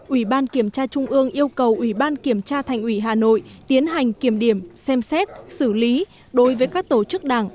ủy ban kiểm tra trung ương yêu cầu ủy ban kiểm tra thành ủy hà nội tiến hành kiểm điểm xem xét xử lý đối với các tổ chức đảng